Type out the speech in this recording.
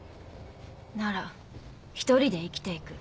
なら１人で生きて行く。